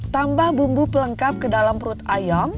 tambah bumbu pelengkap ke dalam perut ayam